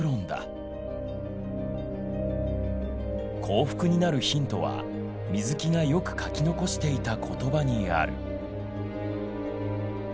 幸福になるヒントは水木がよく書き残していた言葉にある。